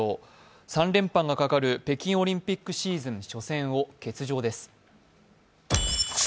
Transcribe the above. ３連覇がかかる北京オリンピックのシーズンを欠場です。